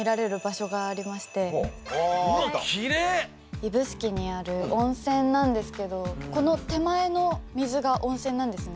指宿にある温泉なんですけどこの手前の水が温泉なんですね。